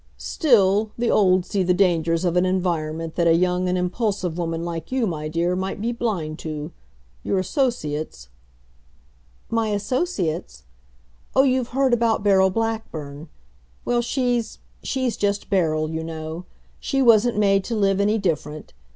"Still, the old see the dangers of an environment that a young and impulsive woman like you, my dear, might be blind to. Your associates " "My associates? Oh, you've heard about Beryl Blackburn. Well she's she's just Beryl, you know. She wasn't made to live any different.